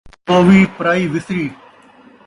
آپݨی پووی پرائی وسری